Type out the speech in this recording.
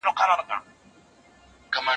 زه به سبا د يادښتونه بشپړ وکړم..